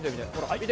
見て！